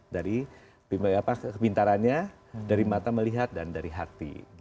dari pintarannya dari mata melihat dan dari hati